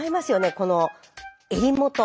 この襟元。